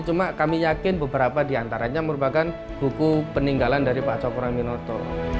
cuma kami yakin beberapa di antaranya merupakan buku peninggalan dari pak cokro minoto